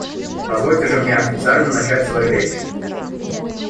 Позвольте же мне официально начать свою речь.